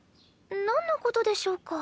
なんのことでしょうか？